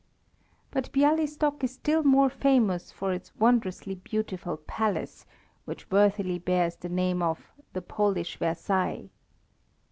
But Bialystok is still more famous for its wondrously beautiful Palace, which worthily bears the name of "the Polish Versailles."